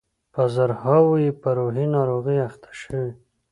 په زرهاوو یې په روحي ناروغیو اخته شوي.